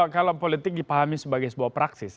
kalau politik dipahami sebagai sebuah praksis